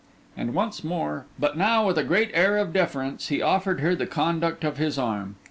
And once more, but now with a great air of deference, he offered her the conduct of his arm.